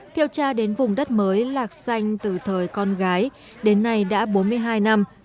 theo cha đến vùng đất mới lạc xanh từ thời con gái đến nay đã bốn mươi hai năm